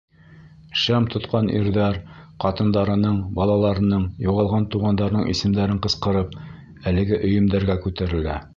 Шәм тотҡан ирҙәр, ҡатындарының, балаларының, юғалған туғандарының исемдәрен ҡысҡырып, әлеге өйөмдәргә күтәрелә.